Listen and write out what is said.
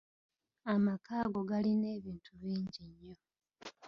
Amaka ago galina ebintu bingi nnyo.